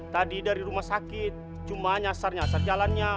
tadi dari rumah sakit cuma nyasar nyasar jalannya